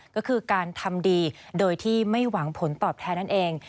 ก็คือการทำดีโดยที่ไม่หวังผลตอบแทนนั่นเอง